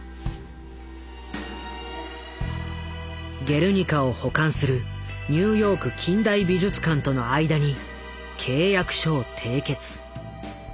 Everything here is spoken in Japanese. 「ゲルニカ」を保管するニューヨーク近代美術館との間に契約書を締結。